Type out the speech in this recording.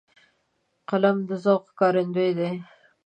قلم د ذوق ښکارندوی دی